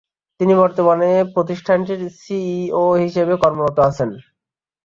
তিনি বর্তমানে প্রতিষ্ঠানটির সিইও হিসেবে কর্মরত আছেন।